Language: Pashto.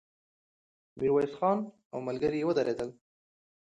ميرويس خان او ملګري يې ودرېدل.